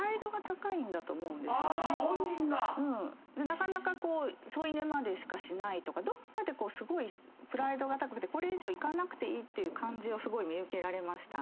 なかなか添い寝までしかしないとかどっかですごいプライドが高くてこれ以上いかなくていいって感じはすごい見受けられました。